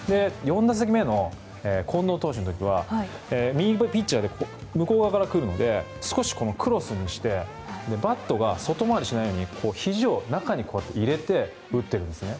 ４打席目の近藤投手の時は右ピッチャーで向こう側からくるので少しクロスにしてバットが外回りしないようにひじを中に入れて打ってるんですね。